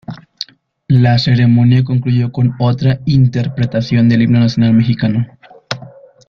La ceremonia concluyó con otra interpretación del Himno Nacional Mexicano.